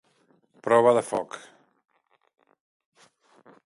Prova de foc.